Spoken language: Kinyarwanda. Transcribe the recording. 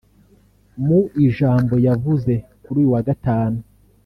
Mu ijambo yavuze kuri uyu wa Gatanu